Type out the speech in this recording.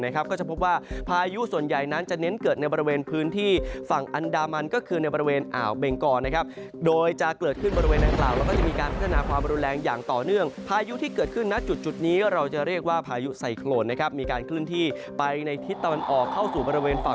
ก็จะพบว่าพายุส่วนใหญ่นั้นจะเน้นเกิดในบริเวณพื้นที่ฝั่งอันดามันก็คือในบริเวณอ่าวเบงกรนะครับ